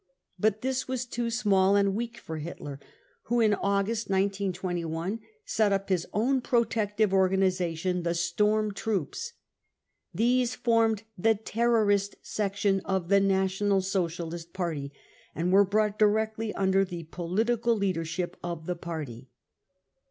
But this was too small and » THE PATH TO POWER 21 "f • weak for Hitler, wlio in August 1921 set up his own pro # tective organisation ; the storm troops. These formed the terrorist section of the National Socialist Party and were » brought directly under the political leadership of the party.